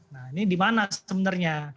nah ini dimana sebenarnya